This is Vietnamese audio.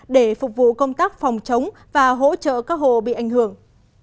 để phục vụ công tác phòng chống và hỗ trợ các hộ bị ảnh hưởng